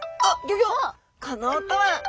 この音は！